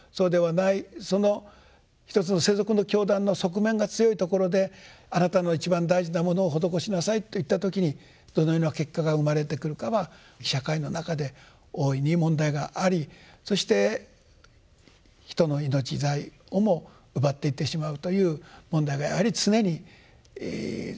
その一つの世俗の教団の側面が強いところであなたの一番大事なものを施しなさいといった時にどのような結果が生まれてくるかは社会の中で大いに問題がありそして人の命財をも奪っていってしまうという問題がやはり常に起きてくる。